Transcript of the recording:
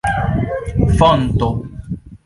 fonto